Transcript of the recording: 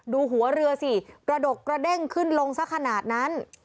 ดูหัวเรือสิกระดกกระเด้งขึ้นลงสักขนาดนั้น